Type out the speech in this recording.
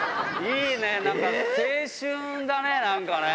いいね、なんか青春だね、なんかね。